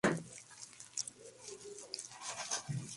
Sus patas están cubiertas de espinas y vellosidades.